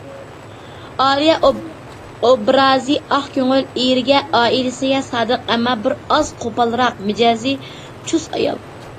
ئالىيە ئوبرازى ئاق كۆڭۈل، ئېرىگە، ئائىلىسىگە سادىق، ئەمما بىرئاز قوپالراق، مىجەزى چۇس ئايال.